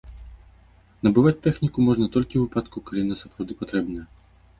Набываць тэхніку можна толькі ў выпадку, калі яна сапраўды патрэбная.